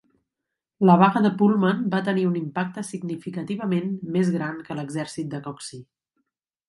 La vaga de Pullman va tenir un impacte significativament més gran que l'exèrcit de Coxey.